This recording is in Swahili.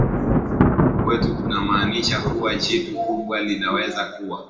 wetu unamaanisha kuwa jitu kubwa linaweza kuwa